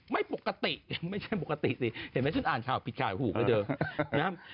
ไม่ปกติไม่ใช่ปกติสิเห็นไหมฉันอ่านชาวผิดข่าวอยู่หูกันเดิม